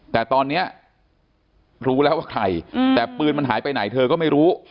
แต่ตอนนี้รู้แล้วว่าใครแต่ปืนมันหายไปไหนเธอก็ไม่รู้